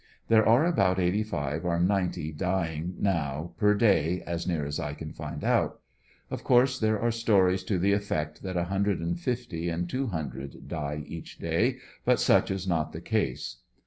There are about eighty five or ninety dying now per day, as near as I can find out. ,?f course there are stories to the effect that a hundred and fifty and two hundred die each day, but such is not the case.